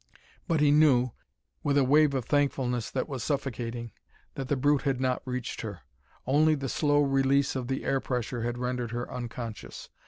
But he knew, with a wave of thankfulness that was suffocating, that the brute had not reached her; only the slow release of the air pressure had rendered her unconscious.